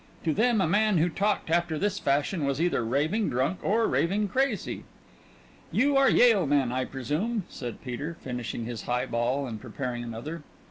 To them a man who talked after this fashion was either raving drunk or raving crazy. "You are Yale men, I presume," said Peter, finishing his highball and preparing another.